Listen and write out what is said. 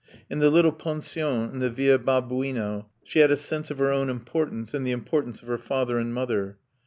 In the little Pension in the Via Babuino she had a sense of her own importance and the importance of her father and mother.